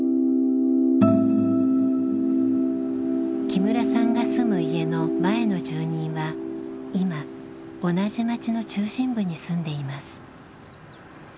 木村さんが住む家の前の住人は今同じ町の中心部に住んでいます。